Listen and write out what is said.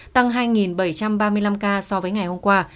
tăng hai bảy trăm ba mươi năm ca so với ngày hôm qua